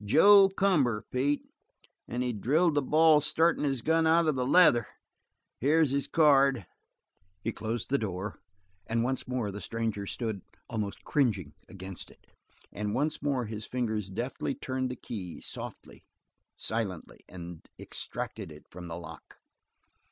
"Joe Cumber, Pete. And he drilled the ball startin' his gun out of the leather. Here's his card." He closed the door, and once more the stranger stood almost cringing against it, and once more his fingers deftly turned the key softly, silently and extracted it from the lock.